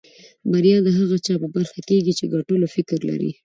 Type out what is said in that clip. بريا د هغه چا په برخه کېږي چې د ګټلو فکر لري.